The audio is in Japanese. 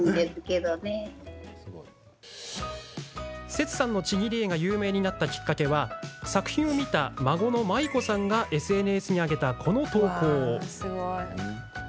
セツさんのちぎり絵が有名になったきっかけは作品を見た孫の麻衣子さんがＳＮＳに上げたこの投稿。